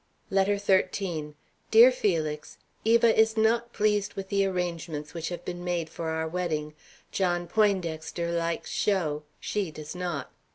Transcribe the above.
LETTER XIII. DEAR FELIX: Eva is not pleased with the arrangements which have been made for our wedding. John Poindexter likes show; she does not.